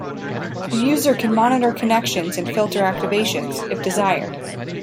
The user can monitor connections and filter activations, if desired.